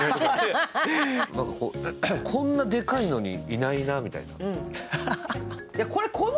こんなでかいのに、いないなみたいな。